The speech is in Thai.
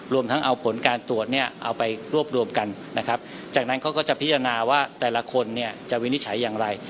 รวมทั้งเอาผลการตรวจเนี่ยเอาไปรวบรวมกันนะครับจากนั้นเขาก็จะพิจารณาว่าแต่ละคนเนี่ยจะวินิจฉัยอย่างไร